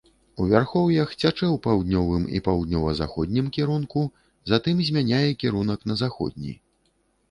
У вярхоўях цячэ ў паўднёвым і паўднёва-заходнім кірунку, затым змяняе кірунак на заходні.